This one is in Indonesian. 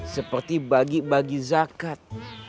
seperti bagi bagi zakat